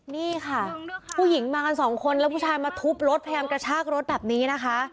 นี่ค่ะผู้หญิงมากันสองคนแล้วผู้ชายมาทุบรถพยายามกระชากรถแบบนี้นะคะ